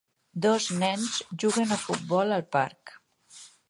Dos nens juguen a futbol al parc.